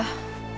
tante aku mau